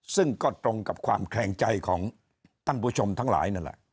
ซึ่งก็ตรงกับความแคลงใจของท่านผู้ชมทั้งหลายนั่นแหละ